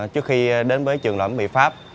trước khi đến với trường loại mì pháp